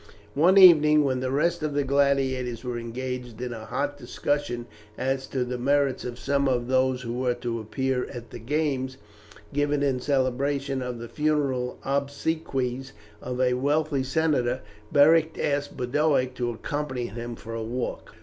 One evening, when the rest of the gladiators were engaged in a hot discussion as to the merits of some of those who were to appear at the games given in celebration of the funeral obsequies of a wealthy senator, Beric asked Boduoc to accompany him for a walk.